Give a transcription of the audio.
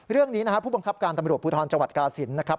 เรื่องนี้นะครับผู้บังคับการตำรวจภูทธรณ์จกาศิลป์